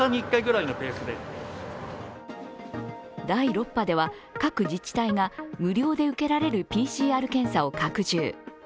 第６波では、各自治体が無料で受けられるＰＣＲ検査を拡充。